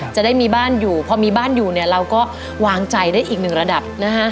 จะได้มีบ้านอยู่พอมีบ้านอยู่เนี่ยเราก็วางใจได้อีกหนึ่งระดับนะฮะ